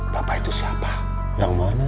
belum ada yangissimo